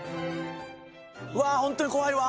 うわホントに怖いわ。